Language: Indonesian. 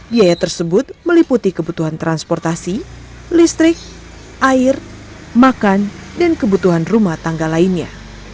biaya tersebut meliputi kebutuhan transportasi listrik air makan dan kebutuhan rumah tangga lainnya